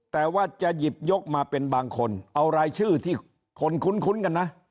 แต่ว่าจะหยิบยกมาเป็นบางคนเอารายชื่อที่คนคุ้นกันนะ